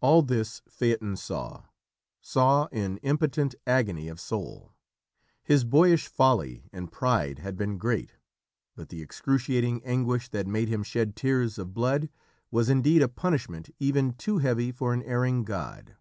All this Phaeton saw, saw in impotent agony of soul. His boyish folly and pride had been great, but the excruciating anguish that made him shed tears of blood, was indeed a punishment even too heavy for an erring god.